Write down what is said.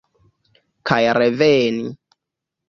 Kaj reveni.